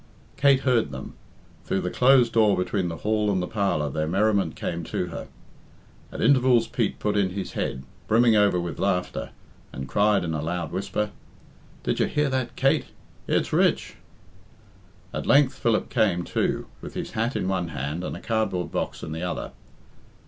Kate heard them. Through the closed door between the hall and the parlour their merriment came to her. At intervals Pete put in his head, brimming over with laughter, and cried in a loud whisper, "Did you hear that, Kate? It's rich!" At length Philip came, too, with his hat in one hand and a cardboard box in the other.